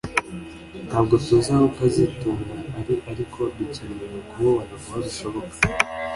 Ntabwo tuzi aho kazitunga ari ariko dukeneye kumubona vuba bishoboka